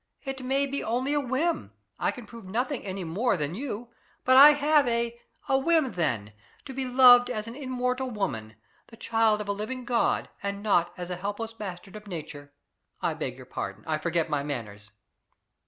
It may be only a whim I can prove nothing any more than you but I have a whim then to be loved as an immortal woman, the child of a living God, and not as a helpless bastard of Nature! I beg your pardon I forget my manners."